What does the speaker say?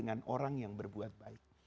jadi kita harus berbicara tentang halifah